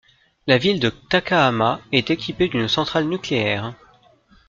La ville de Takahama est équipée d'une centrale nucléaire.